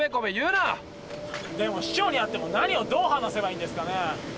でも市長に会っても何をどう話せばいいんですかね？